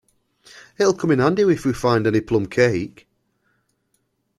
It’ll come in handy if we find any plum-cake.